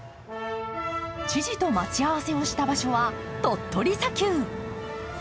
知事と待ち合わせをした場所は鳥取砂丘。